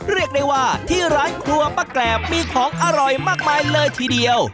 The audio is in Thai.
เรียกได้ว่าที่ร้านครัวป้าแกรบมีของอร่อยมากมายเลยทีเดียว